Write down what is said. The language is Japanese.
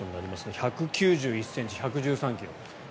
１９１ｃｍ１１３ｋｇ。